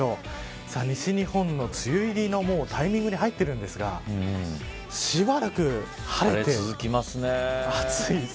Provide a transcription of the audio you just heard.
西日本の梅雨入りのタイミングに入っているんですがしばらく晴れ続きますね。